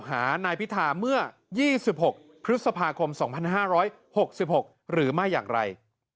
หานายพิธาเมื่อ๒๖พฤษภาคม๒๕๖๖หรือไม่อย่างไร